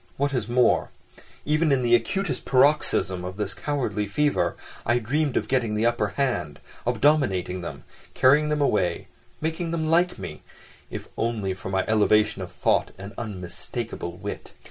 What is more, even in the acutest paroxysm of this cowardly fever, I dreamed of getting the upper hand, of dominating them, carrying them away, making them like me—if only for my "elevation of thought and unmistakable wit."